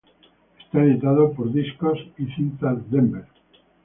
Esto editado por Discos y Cintas Denver.